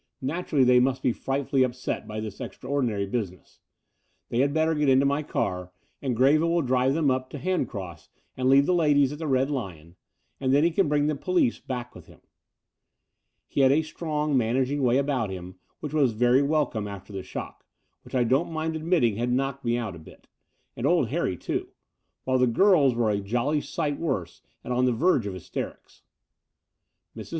"Naturally they must be frightfully upset by this extraordinary business. They had better get into my car, and Greville will drive them up to Handcross and leave the ladies at the Red Lion ; and then he can bring the police back with him." He had a strong, managing way about him which was very welcome after the shock, which I don't mind admitting had knocked me out a bit — ^and old Harry, too — ^while the girls were a jolly sight worse, and on the verge of hysterics. Mrs.